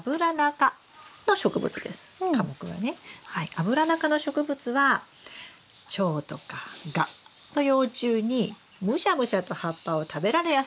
アブラナ科の植物はチョウとかガの幼虫にムシャムシャと葉っぱを食べられやすいんです。